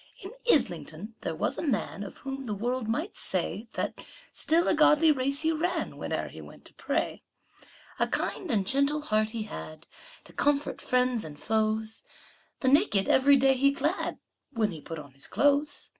In Islington there was a man Of whom the world might say That still a godly race he ran Whene'er he went to pray. A kind and gentle heart he had, To comfort friends and foes; The naked every day he clad When he put on his clothes.